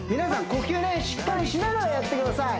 呼吸ねしっかりしながらやってください